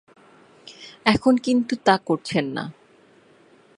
এখন কিন্তু তা করছেন না।